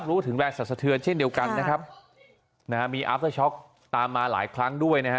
รู้ถึงแรงสรรสะเทือนเช่นเดียวกันนะครับนะฮะมีอาฟเตอร์ช็อกตามมาหลายครั้งด้วยนะฮะ